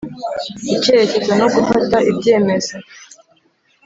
Icyerekezo no gufata ibyemezo